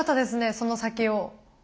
その先を。